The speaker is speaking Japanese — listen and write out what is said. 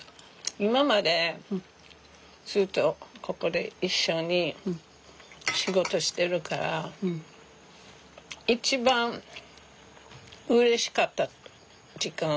今までずっとここで一緒に仕事してるから一番うれしかった時間はいつだった？